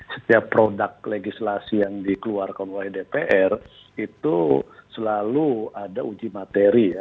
setiap produk legislasi yang dikeluarkan oleh dpr itu selalu ada uji materi ya